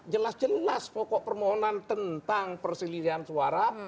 jelas jelas pokok permohonan tentang perselidian suara